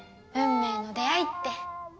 運命の出会いって。